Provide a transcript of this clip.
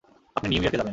আপনি নিউ ইয়র্কে যাবেন।